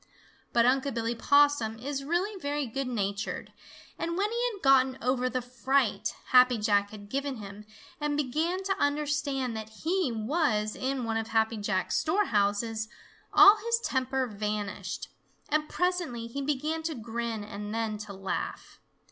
But Unc' Billy Possum is really very good natured, and when he had gotten over the fright Happy Jack had given him and began to understand that he was in one of Happy Jack's storehouses, all his temper vanished, and presently he began to grin and then to laugh.